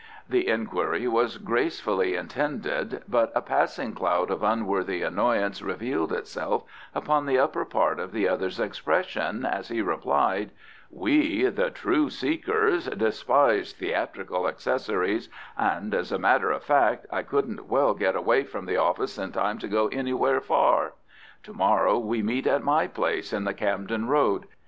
The inquiry was gracefully intended, but a passing cloud of unworthy annoyance revealed itself upon the upper part of the other's expression as he replied, "We, the true seekers, despise theatrical accessories, and, as a matter of fact, I couldn't well get away from the office in time to go anywhere far. To morrow we meet at my place in the Camden Road.